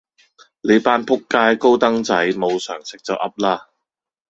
你班仆街高登仔無常識就噏啦